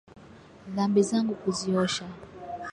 Dhambi zangu kuziosha